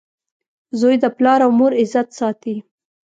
• زوی د پلار او مور عزت ساتي.